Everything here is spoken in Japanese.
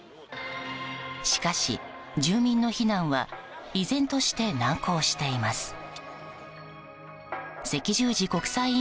しかし、住民の避難は依然として難航しています。